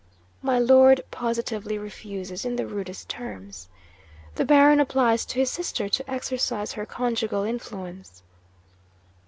My Lord positively refuses, in the rudest terms. The Baron applies to his sister to exercise her conjugal influence.